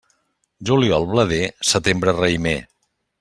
Juliol blader, setembre raïmer.